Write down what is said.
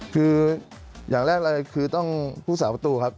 คืออย่างแรกเลยคือต้องผู้สาวประตูครับ